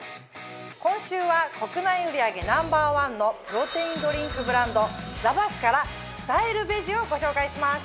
今週は国内売り上げＮｏ．１のプロテインドリンクブランド「ザバス」から「スタイルベジ」をご紹介します。